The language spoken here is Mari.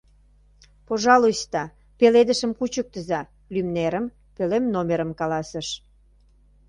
— Пожалуйста, пеледышым кучыктыза, — лӱмнерым, пӧлем номерым каласыш.